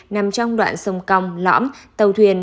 nằm trong đoạn sông cong lõm tàu thuyền